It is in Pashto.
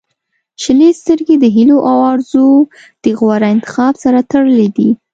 • شنې سترګې د هیلو او آرزووو د غوره انتخاب سره تړلې دي.